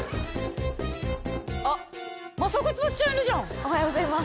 おはようございます。